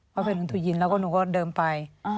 ว่าแฟนหนูถูดยินแล้วก็หนูก็เดินไป